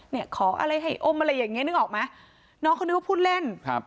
เนี่ยขออะไรให้อมอะไรอย่างเงี้นึกออกไหมน้องเขานึกว่าพูดเล่นครับ